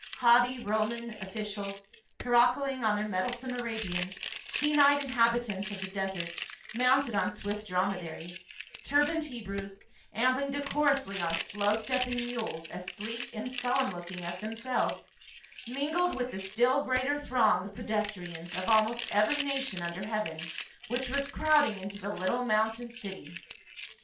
Haughty Roman officials caracoling on their mettlesome Arabians, keen eyed inhabitants of the desert, mounted on swift drom edaries, turbaned Hebrews, ambling decorously on slow stepping mules as sleek and solemn looking as themselves, mingled with the still greater throng of pedestrians, of almost every nation under heaven, which was crowding into the little mountain city.